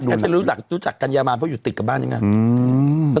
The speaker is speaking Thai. แอ๊ดฉันรู้จักรู้จักกัญญามารเพราะอยู่ติดกับบ้านอย่างงั้นอืม